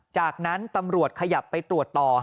จากนั้นตำรวจขยับไปตรวจต่อ